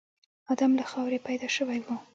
ادم له خاورې پيدا شوی و.